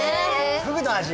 フグの味